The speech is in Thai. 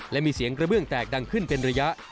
และมีเสียงกระเบื้องแตกดังขึ้นเป็นระยะ